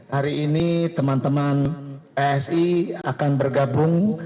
hari ini teman teman psi akan bergabung